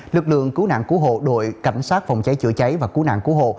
lực lượng cứu nạn cứu hộ đội cảnh sát phòng cháy chữa cháy và cứu nạn cứu hộ